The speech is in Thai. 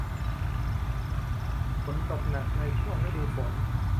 ฝนตกหนักในช่วงฤดูฝน